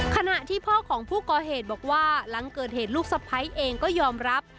ขณะที่พ่อของผู้ก่อเหตุบอกว่าหลังเกิดเหตุลูกสะพ้ายเองก็ยอมรับ